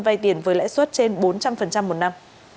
vay tiền với lãi suất trên bốn trăm linh một năm